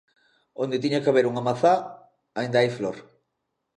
Onde tiña que haber unha mazá, aínda hai flor.